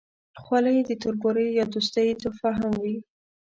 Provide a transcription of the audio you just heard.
خولۍ د تربورۍ یا دوستۍ تحفه هم وي.